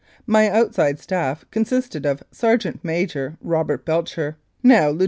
My outside staff con sisted of Sergt. Major Robert Belcher (now Lieut.